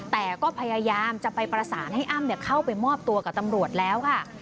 แต่ก็พยายามจะไปประสานให้อ้ำเข้าไปมอบตัวกับตำรวจแล้วค่ะ